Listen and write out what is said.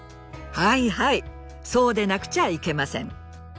はいはいそうでなくちゃいけません。